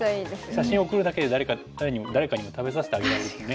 写真送るだけで誰かにも食べさせてあげられるとね。